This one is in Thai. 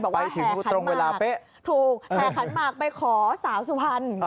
ไปถึงตรงเวลาเป๊ะถูกแห่ขันหมากไปขอสาวสุพรรณ